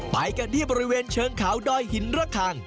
ไปกันที่บริเวณเชิงเขาดอยหินระคัง